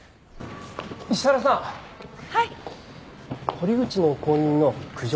堀口の後任の九条